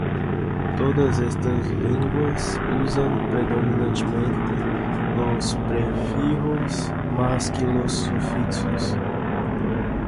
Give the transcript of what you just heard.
Todas estas lenguas usan predominantemente los prefijos más que los sufijos.